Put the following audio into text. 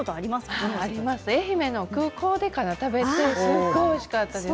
愛媛の空港で食べてすごいおいしかったです。